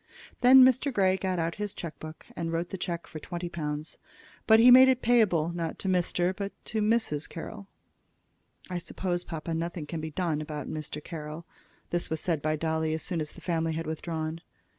Then Mr. Grey got out his check book and wrote the check for twenty pounds. But he made it payable, not to Mr. but to Mrs. Carroll. "I suppose, papa, nothing can be done about Mr. Carroll." This was said by Dolly as soon as the family had withdrawn.